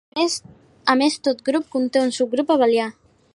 A més tot grup conté un subgrup abelià.